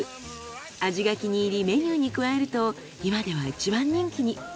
味が気に入りメニューに加えると今では一番人気に。